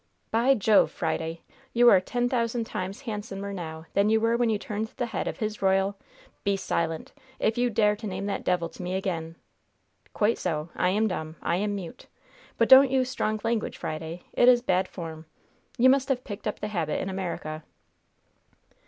By Jove, Friday, you are ten thousand times handsomer now than you were when you turned the head of His Royal " "Be silent! If you dare to name that devil to me again " "Quite so! I am dumb! I am mute. But don't use strong language, Friday! It is bad form. You must have picked up the habit in America."